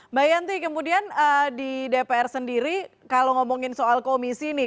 mbak yanti kemudian di dpr sendiri kalau ngomongin soal komisi nih